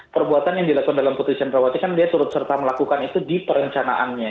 perbuatan yang dilakukan dalam putri candrawati kan dia turut serta melakukan itu di perencanaannya